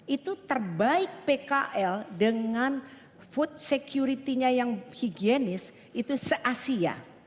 itu terbaik pkl dengan food security nya yang higienis itu se asia